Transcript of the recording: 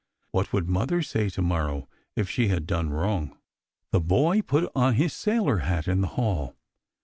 What would mother say to morrow if she had done wrong ? The boy put on his sailor hat in the hall.